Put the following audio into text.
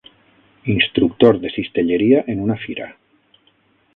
Instructor de cistelleria en una fira